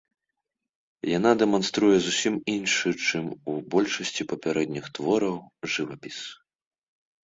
Яна дэманструе зусім іншы, чым у большасці папярэдніх твораў, жывапіс.